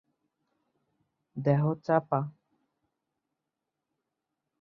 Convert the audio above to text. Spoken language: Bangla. দেহ চাপা।